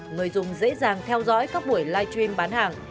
người dùng dễ dàng theo dõi các buổi live stream bán hàng